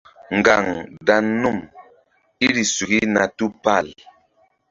Ŋgaŋ dan num iri suki na tupal.